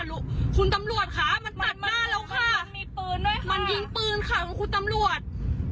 ตอนนี้หนูอยู่ปากุ้มเกาะแล้วค่ะหน้าเทศบางค่ะคุณตำรวจ